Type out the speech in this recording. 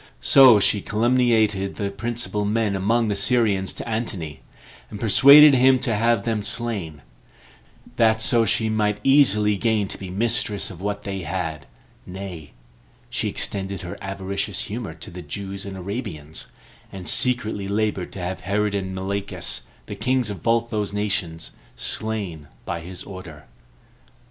So she calumniated the principal men among the Syrians to Antony, and persuaded him to have them slain, that so she might easily gain to be mistress of what they had; nay, she extended her avaricious humor to the Jews and Arabians, and secretly labored to have Herod and Malichus, the kings of both those nations, slain by his order.